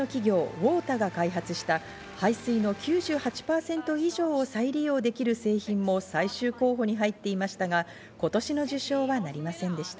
ＷＯＴＡが開発した、排水の９８％以上を再利用できる製品も最終候補に入っていましたが、今年の受賞はなりませんでした。